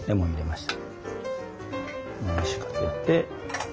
回しかけて。